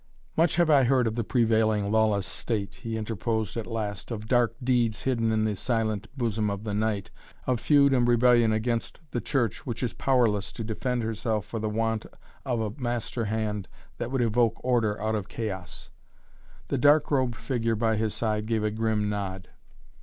"Much have I heard of the prevailing lawless state," he interposed at last, "of dark deeds hidden in the silent bosom of the night, of feud and rebellion against the Church which is powerless to defend herself for the want of a master hand that would evoke order out of chaos." The dark robed figure by his side gave a grim nod.